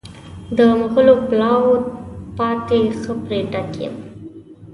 د مغلو پلاو پاتو ښه پرې ډک یم.